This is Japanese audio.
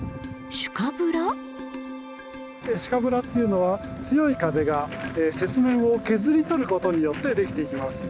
シュカブラっていうのは強い風が雪面を削り取ることによってできていきます。